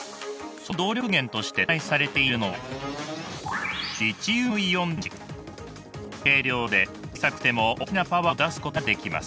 その動力源として搭載されているのは軽量で小さくても大きなパワーを出すことができます。